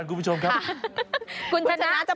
คือตอนนี้ไม่ไหวแล้วอยากละ